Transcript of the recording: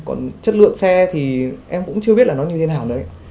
còn chất lượng xe thì em cũng chưa biết là nó như thế nào nữa ấy